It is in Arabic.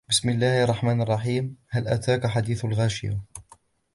بِسْمِ اللَّهِ الرَّحْمَنِ الرَّحِيمِ هَلْ أَتَاكَ حَدِيثُ الْغَاشِيَةِ